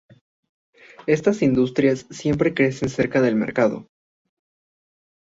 Estas industrias siempre crecen cerca del mercado.